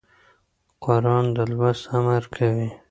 قرآن د لوست امر کوي.